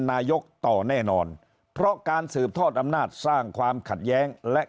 นายกต่อแน่นอนเพราะการสืบทอดอำนาจสร้างความขัดแย้งและ